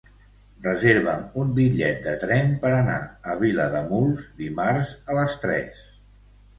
Reserva'm un bitllet de tren per anar a Vilademuls dimarts a les tres.